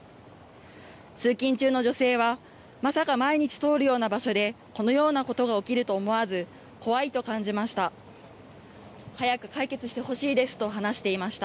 通勤中の女性は、まさか毎日通るような場所で、このようなことが起きると思わず、怖いと感じました。